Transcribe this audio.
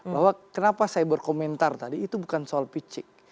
bahwa kenapa saya berkomentar tadi itu bukan soal picik